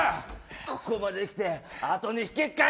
ここまで来てあとに引けるかよ！